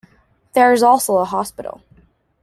There is also a hospital.